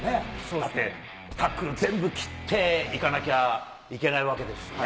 だってタックルを全部切っていかなきゃいけないわけですしね。